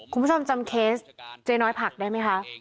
คุณผู้ชมจำเคสเจ๊น้อยผักได้ไหมคะ